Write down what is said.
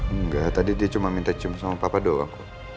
enggak tadi dia cuma minta cium sama papa doang